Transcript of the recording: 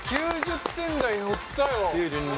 ９０点台乗ったよ。